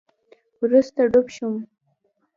وروسته ډوب شوم